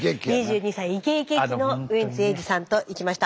２２歳イケイケ期のウエンツ瑛士さんと行きました